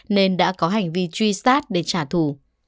nên đã có hành vi truy sát để trả thù